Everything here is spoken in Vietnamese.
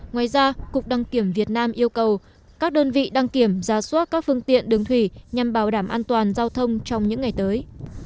ngoài ra cục đăng kiểm việt nam yêu cầu các đơn vị đăng kiểm ra soát các phương tiện đường thủy nhằm bảo đảm an toàn giao thông trong những ngày tới